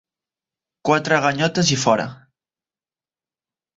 Quatre ganyotes i fora.